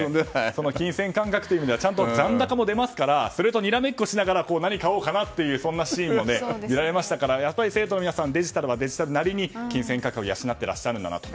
その金銭感覚という面ではちゃんと残高も出ますからそれとにらめっこしながら何を買おうかなとそんなシーンも見られましたから生徒の皆さんデジタルはデジタルなりに金銭感覚を養っていらっしゃるんだなと。